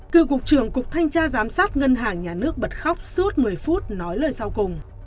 cựu cục trưởng cục thanh tra giám sát ngân hàng nhà nước bật khóc suốt một mươi phút nói lời sau cùng